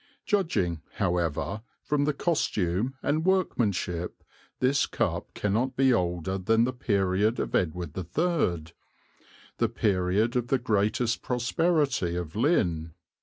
Judging, however, from the costume and workmanship this cup cannot be older than the period of Edward III the period of the greatest prosperity of Lynn.